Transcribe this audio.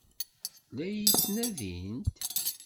La iyi-ttnadint?